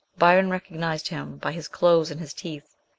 Byron recognised him by his clothes and his teeth.